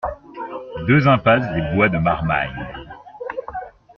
deux impasse des Bois de Marmagne